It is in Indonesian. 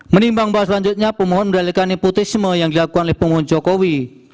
menimbang bahwa selanjutnya pemohon mendalikan nepotisme yang dilakukan oleh pemohon jokowi